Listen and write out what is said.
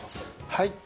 はい。